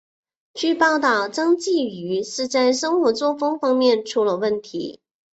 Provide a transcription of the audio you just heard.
据报道张继禹是在生活作风方面出了问题。